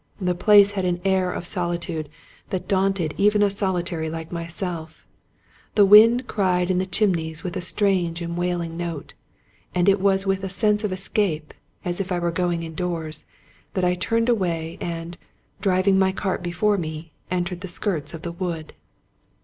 The place had an air of solitude that daunted even a solitary like myself; the wind cried in the chimneys with a strange and wailing note ; and it was with a sense of escape, as if I were going indoors, that I turned away and, driving my cart before me, entered the skirts of the wood.